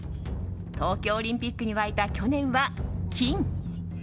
東京オリンピックに沸いた去年は「金」。